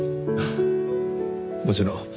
もちろん。